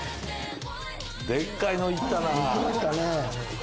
でっかいの行ったな！